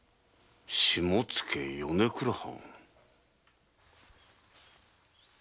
下野・米倉藩。